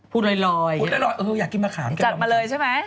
พูดเลยอย่างงั้นเจ็บมาเลยใช่มั้ย